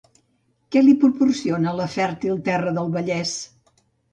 Què li proporciona la fèrtil terra del Vallès?